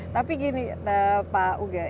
tapi gini pak uge